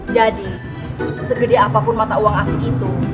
jadi segede apapun mata uang asing itu